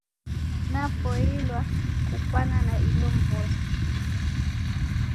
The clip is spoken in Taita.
Napoilwa kukwana na inyo mw'ose